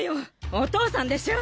お父さんでしょ！